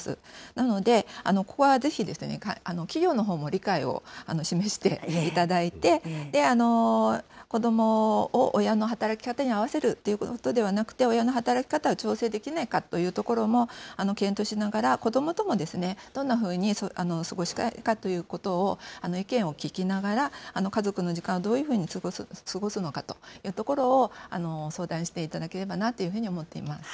なので、ここはぜひ企業のほうも理解を示していただいて、子どもを親の働き方に合わせるということではなくて、親の働き方を調整できないかというところも検討しながら、子どもともどんなふうに過ごしたいかということの意見を聞きながら、家族の時間をどういうふうに過ごすのかというところを相談していただければなというふうに思っています。